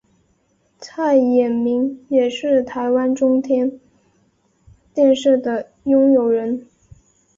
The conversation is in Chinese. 蔡衍明也是台湾中天电视的拥有人。